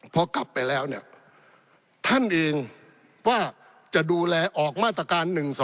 พอกลับไปแล้วเนี่ยท่านเองว่าจะดูแลออกมาตรการ๑๒